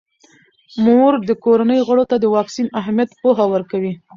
مور د کورنۍ غړو ته د واکسین اهمیت پوهه ورکوي.